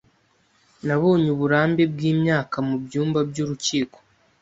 Nabonye uburambe bwimyaka mu byumba byurukiko.